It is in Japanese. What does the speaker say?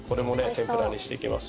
天ぷらにしていきます。